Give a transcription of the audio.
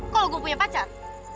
kalau gue punya pacar